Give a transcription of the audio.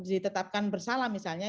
ditetapkan bersalam misalnya